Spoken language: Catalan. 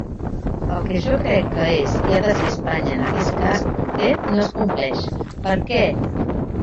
El que jo crec que és i ha de ser Espanya en aquest cas concret no es compleix, ¿per què?